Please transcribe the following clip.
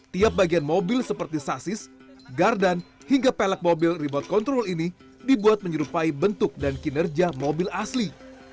tiap bagian mobil seperti sasis gardan hingga pelek mobil remote control ini dibuat menyerupai bentuk dan kinerja mobil asli